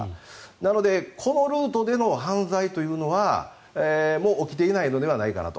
なのでこのルートでの犯罪というのはもう起きていないのではないかなと。